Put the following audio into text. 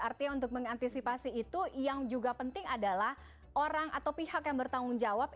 artinya untuk mengantisipasi itu yang juga penting adalah orang atau pihak yang bertanggung jawab